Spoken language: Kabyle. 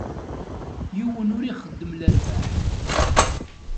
Yiwen ur ixeddem lerbaḥ..